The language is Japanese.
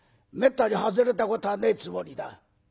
めったに外れたことはねえつもりだ。